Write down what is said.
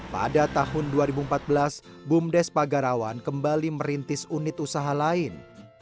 pada tahun dua ribu empat belas bumdes pagarawan kembali merintis unit usaha lain